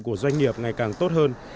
của doanh nghiệp ngày càng tốt hơn